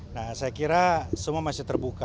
nah saya kira semua masih terbuka